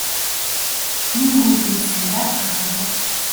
Энэ үгийг бид сайндаа ч гаргаагүй.